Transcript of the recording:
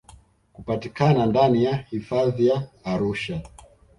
kupatikana ndani ya hifadhi za Arusha